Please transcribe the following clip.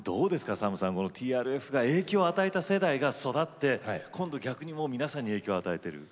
ＳＡＭさんＴＲＦが影響を与えた世代が育って今度逆に皆さんに影響を与えている。